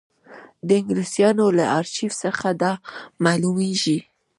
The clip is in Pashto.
د انګلیسیانو له ارشیف څخه دا معلومېږي.